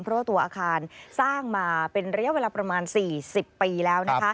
เพราะว่าตัวอาคารสร้างมาเป็นระยะเวลาประมาณ๔๐ปีแล้ว